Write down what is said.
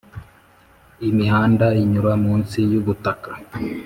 imihanda inyura munsi y ubutaka